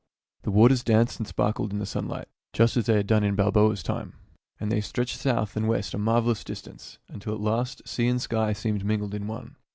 The waters danced and sparkled in the sunlight, just as they had done in Balboa's time, and they stretched south and west a marvelous distance, until at last sea and sky seemed mingled in one.